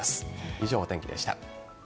以上、お天気でした。